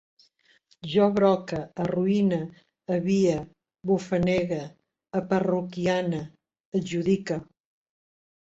Jo broque, arruïne, avie, bufanege, aparroquiane, adjudique